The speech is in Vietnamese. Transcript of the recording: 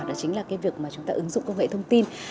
đó chính là cái việc mà chúng ta ứng dụng công nghệ thông tin